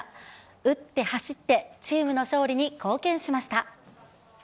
打って走って、チームの勝利に貢献しました。